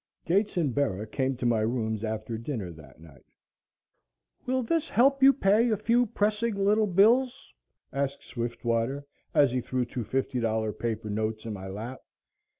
Gates and Bera came to my rooms after dinner that night. "Will this help you pay a few pressing little bills?" asked Swiftwater, as he threw two fifty dollar paper notes in my lap.